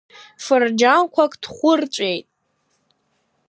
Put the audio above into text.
Фырџьанқәак дхәырҵәеит!